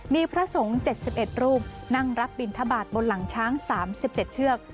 มีพระสงฆ์๗๑รูปนั่งรับบินทบาทบนหลังช้าง๓๗เชือก